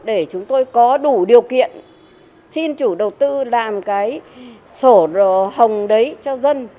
để chúng tôi có đủ điều kiện xin chủ đầu tư làm cái sổ hồng đấy cho dân